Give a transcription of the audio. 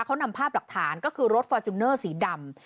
เขานำภาพหลักฐานก็คือรถฟอร์จูเนอร์สีดำ